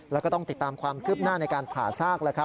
แล้วก็ต้องติดตามความคืบหน้าในการผ่าซาก